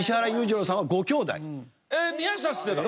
宮下は知ってた？